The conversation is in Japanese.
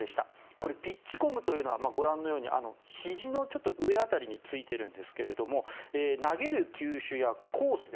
これ、ピッチコムというのはご覧のように、ひじの上辺りについているんですが投げる球種やコース